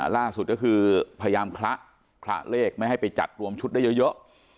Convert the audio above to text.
ล่าสุดก็คือพยายามคละคละเลขไม่ให้ไปจัดรวมชุดได้เยอะ